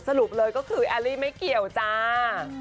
สรุปเลยก็คือแอลลี่ไม่เกี่ยวจ้า